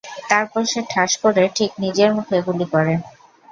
তারপর সে ঠাস করে ঠিক নিজের মুখে গুলি করে!